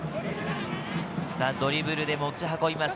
ドリブルで持ち運びます。